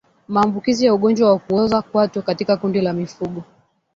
Maambukizi ya ugonjwa wa kuoza kwato katika kundi la mifugo